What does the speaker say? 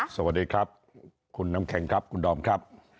สวัสดีครับคุณน้ำแข็งครับคุณดอมครับ